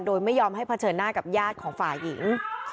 โดยไม่ยอมให้เผชิญหน้ากับญาติของฝ่ายหญิง